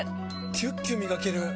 キュッキュ磨ける！